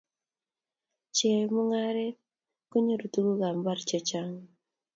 cheae mungaret konyoru tuguk ab mbar chechang